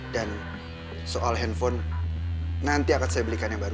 dan soal handphone nanti akan saya belikan yang baru